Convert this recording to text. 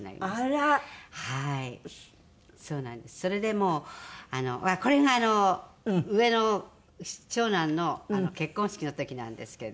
それでもうあっこれが上の長男の結婚式の時なんですけれども。